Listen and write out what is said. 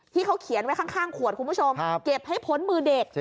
ที่เขาเขียนไว้ข้างขวดคุณผู้ชมเก็บให้พ้นมือเด็ก